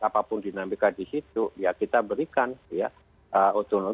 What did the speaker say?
apapun dinamika di situ ya kita berikan